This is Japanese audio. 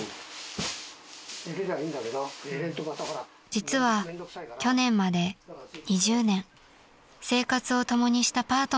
［実は去年まで２０年生活を共にしたパートナーがいました］